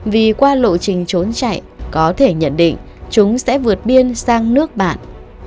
vì qua lộ trình trốn chạy có thể nhận định chúng sẽ vượt biên sang nước bạn